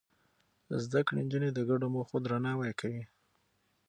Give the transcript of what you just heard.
زده کړې نجونې د ګډو موخو درناوی کوي.